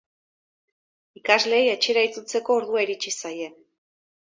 Ikasleei etxera itzultzeko ordua iritsi zaie.